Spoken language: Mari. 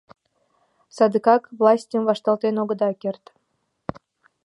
Садыгак властьым вашталтен огыда керт!